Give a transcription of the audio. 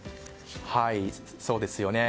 そうですよね。